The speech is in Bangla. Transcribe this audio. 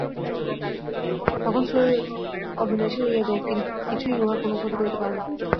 তখন শরীর অবিনাশী হইয়া যায়, কিছুই উহার কোন ক্ষতি করিতে পারে না।